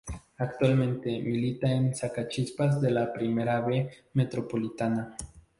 Actualmente milita en Sacachispas de la Primera B Metropolitana.